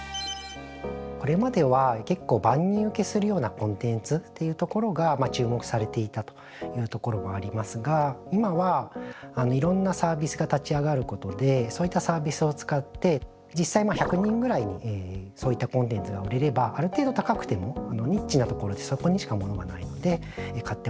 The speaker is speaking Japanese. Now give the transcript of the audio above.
これまでは結構万人受けするようなコンテンツっていうところが注目されていたというところもありますが今はいろんなサービスが立ち上がることでそういったサービスを使って実際１００人ぐらいにそういったコンテンツが売れればある程度高くてもニッチなところでそこにしかものがないので買ってもらえる。